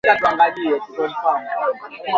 mwili wa mnyama aliyeambukizwa